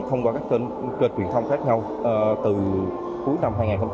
thông qua các kênh kênh truyền thông khác nhau từ cuối năm hai nghìn hai mươi ba